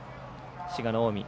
滋賀の近江。